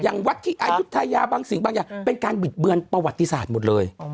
วัดที่อายุทยาบางสิ่งบางอย่างเป็นการบิดเบือนประวัติศาสตร์หมดเลย